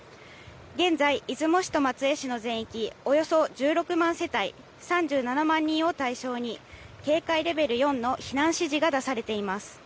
現在、出雲市と松江市の全域、およそ１６万世帯３７万人を対象に警戒レベル４の避難指示が出されています。